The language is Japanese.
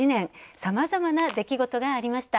さまざまな出来事がありました。